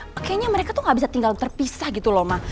makanya mereka tuh gak bisa tinggal terpisah gitu loh ma